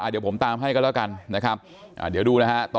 เดี๋ยวผมตามให้กันแล้วกันนะครับเดี๋ยวดูนะฮะ